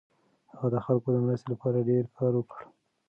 هغه د خلکو د مرستې لپاره ډېر کار وکړ.